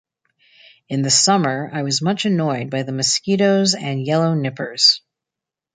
In the summer I was much annoyed by the mosquitos and yellow nippers.